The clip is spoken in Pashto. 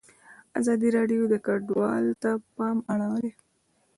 ازادي راډیو د کډوال ته پام اړولی.